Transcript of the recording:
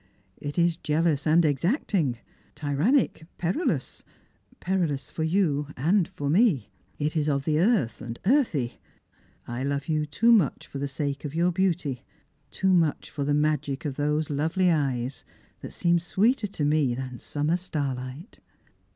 It is jealous and exacting, tyrannic, perilous — perilous for you and for me. It is of the earth, earthy. I love you too much for the sake of your beauty, too much for the magic of those lovely eyes that seem sweeter to me than summer starlight."